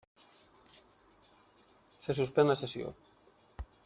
Se suspèn la sessió.